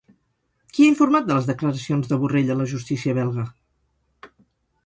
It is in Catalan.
Qui ha informat de les declaracions de Borrell a la justícia belga?